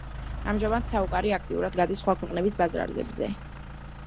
ამჟამად, „სოკარი“ აქტიურად გადის სხვა ქვეყნების ბაზრებზე.